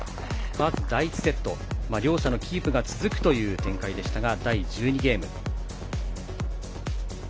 まず、第１セット。両者のキープが続くという展開でしたが、第１２ゲーム。